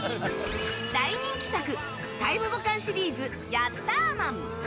大人気作「タイムボカンシリーズヤッターマン」。